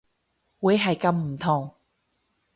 會係咁唔同